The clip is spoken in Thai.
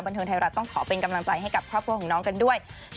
เทิงไทยรัฐต้องขอเป็นกำลังใจให้กับครอบครัวของน้องกันด้วย